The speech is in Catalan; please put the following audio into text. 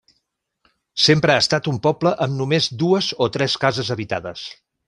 Sempre ha estat un poble amb només dues o tres cases habitades.